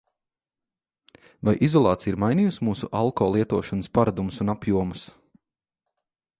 Vai izolācija ir mainījusi mūsu alko lietošanas paradumus un apjomus?